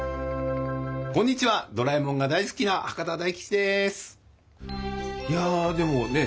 こんにちはドラえもんが大好きないやでもね